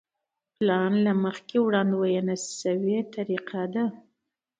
پلان له مخکې وړاندوينه شوې طریقه ده.